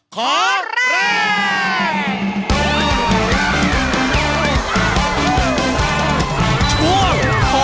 ขอแรง